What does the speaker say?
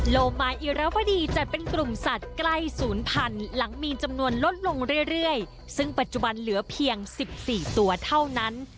โลมาอิรวดีจัดเป็นกลุ่มสัตว์ใกล้ศูนย์พันธุ์หลังมีจำนวนลดลงเรื่อยซึ่งปัจจุบันเหลือเพียง๑๔ตัวเท่านั้น